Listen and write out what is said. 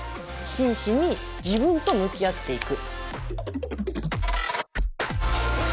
真摯に自分と向き合っていく。